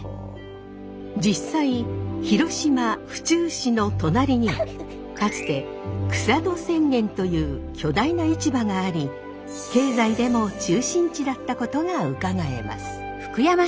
実際広島・府中市の隣にはかつて草戸千軒という巨大な市場があり経済でも中心地だったことがうかがえます。